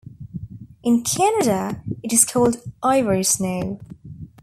In Canada, it is called Ivory Snow.